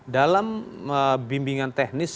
dalam bimbingan teknis